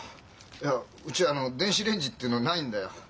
いやうちあの電子レンジっていうのないんだよ。